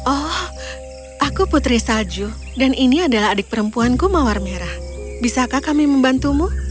oh aku putri salju dan ini adalah adik perempuanku mawar merah bisakah kami membantumu